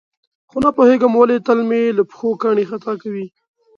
خو نه پوهېږم ولې تل مې له پښو کاڼي خطا کوي.